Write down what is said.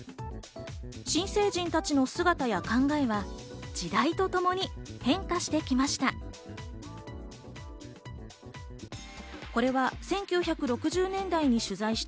新成人たちの姿や考えは、時代とともに変化してきました。